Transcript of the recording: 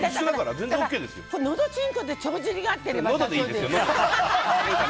のどちんこで帳尻が合ってればさ。